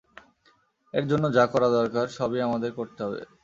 এর জন্য যা করা দরকার সবই আমাদের করতে হবে।